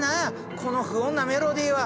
この不穏なメロディーは！